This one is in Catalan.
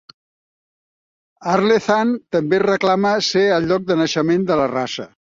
Ardlethan també reclama ser el lloc de naixement de la raça.